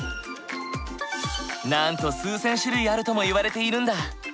なんと数千種類あるともいわれているんだ。